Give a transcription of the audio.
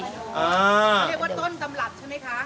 เรียกว่าต้นตำหลักใช่ไหมคะ